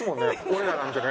俺らなんてね。